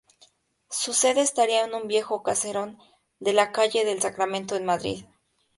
Su sede estaría en un viejo caserón de la calle del Sacramento, en Madrid.